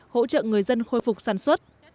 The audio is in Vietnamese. hỗ trợ người dân khôi phục sản xuất